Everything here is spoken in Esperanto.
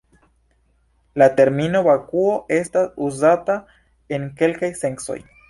La termino "vakuo" estadas uzata en kelkaj sencoj.